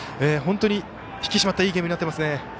本当に引き締まったいいゲームになっていますね。